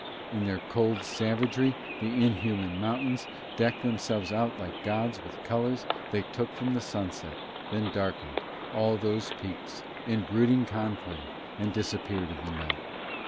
In their cold savagery the inhuman mountains decked themselves out like gods with colours they took from the sunset; then darkened, all those peaks, in brooding conclave and disappeared in the night.